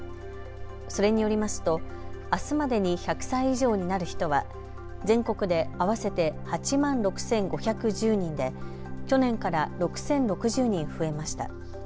それによりますとあすまでに１００歳以上になる人は全国で合わせて８万６５１０人で去年から６０６０人増えました。